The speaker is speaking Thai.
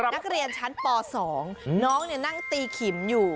นักเรียนชั้นป๒น้องนั่งตีขิมอยู่